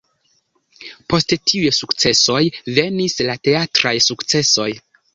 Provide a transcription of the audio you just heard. Post tiuj sukcesoj venis la teatraj sukcesoj.